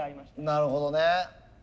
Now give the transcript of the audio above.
なるほどね。